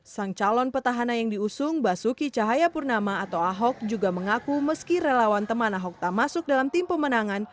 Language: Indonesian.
sang calon petahana yang diusung basuki cahayapurnama atau ahok juga mengaku meski relawan teman ahok tak masuk dalam tim pemenangan